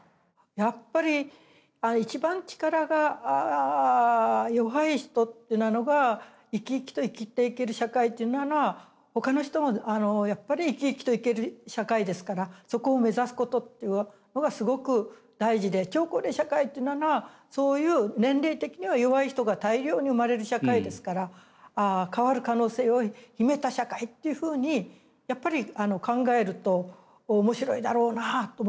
やっぱり一番力が弱い人っていうのが生き生きと生きていける社会っていうのはほかの人もやっぱり生き生きといける社会ですからそこを目指すことっていうのがすごく大事で超高齢社会っていうのはそういう年齢的には弱い人が大量に生まれる社会ですから変わる可能性を秘めた社会っていうふうにやっぱり考えると面白いだろうなと思います。